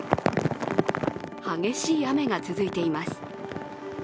激しい雨が続いています。